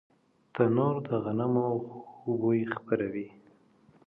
تنور د غنمو خوږ بوی خپروي